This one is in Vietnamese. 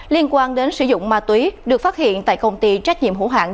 liên quan đến sử dụng ma túy được phát hiện tại công ty trách nhiệm hữu hạng